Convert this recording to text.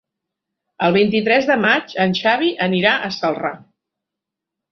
El vint-i-tres de maig en Xavi anirà a Celrà.